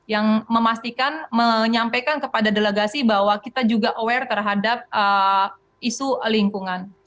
yang memastikan menyampaikan kepada delegasi bahwa kita juga aware terhadap isu lingkungan